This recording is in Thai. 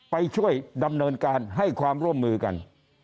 ไปช่วยดำเนินการให้ความร่วมมือกัน